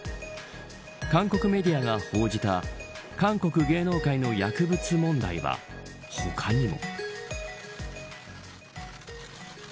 韓国メディアが報じた韓国芸能界の薬物問題は他にも。